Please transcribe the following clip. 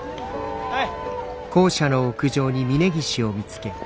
はい！